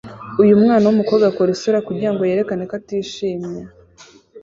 Uyu mwana wumukobwa akora isura kugirango yerekane ko atishimye